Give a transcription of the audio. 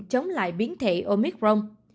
chống lại biến thể omicron